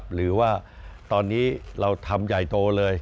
หรือว่าตอนนี้เราทำใหญ่โตเลย